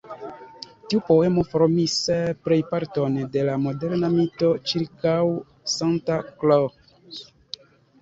Tiu poemo formis plejparton de la moderna mito ĉirkaŭ Santa Claus.